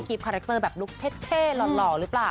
ก็กรีปคาแรคเตอร์แบบลูกเท่หล่อหรือเปล่า